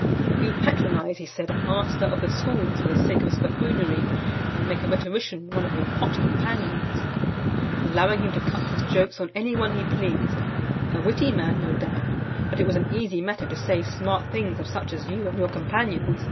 "You patronize," he said, "a master of the schools for the sake of his buffoonery, and make a rhetorician one of your pot companions; allowing him to cut his jokes on any one he pleased; a witty man, no doubt, but it was an easy matter to say smart things of such as you and your companions.